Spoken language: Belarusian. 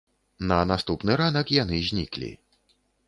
На наступны ранак яны зніклі.